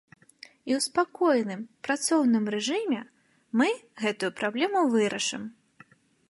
І ў спакойным, працоўным рэжыме мы гэтую праблему вырашым.